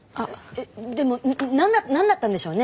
えっでも何だ何だったんでしょうね。